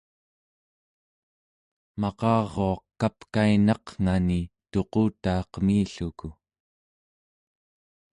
maqaruaq kapkainaqngani tuqutaa qemilluku